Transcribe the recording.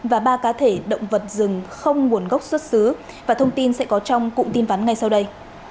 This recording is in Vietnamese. và ba cá thể động vật rừng không nguồn gốc xuất xứ và thông tin sẽ có trong cụm tin vắn ngay sau đây